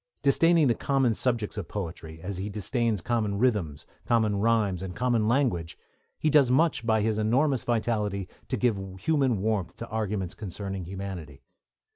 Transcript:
Disdaining the common subjects of poetry, as he disdains common rhythms, common rhymes, and common language, he does much by his enormous vitality to give human warmth to arguments concerning humanity.